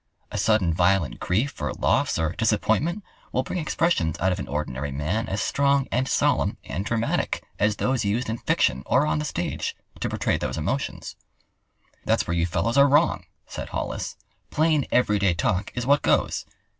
A sudden violent grief or loss or disappointment will bring expressions out of an ordinary man as strong and solemn and dramatic as those used in fiction or on the stage to portray those emotions." "That's where you fellows are wrong," said Hollis. "Plain, every day talk is what goes.